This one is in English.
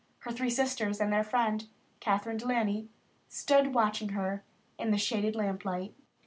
Her three sisters and their friend, Kathryn De Laney, stood watching her in the shaded lamp light.